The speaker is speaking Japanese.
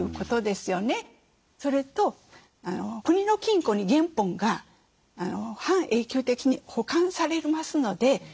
それと国の金庫に原本が半永久的に保管されますので。